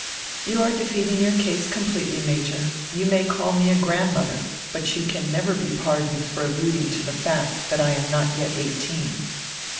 "You are defeating your cause completely, Major. You may call me a grandmother, but you can never be pardoned for alluding to die fact diat I am not yet eighteen."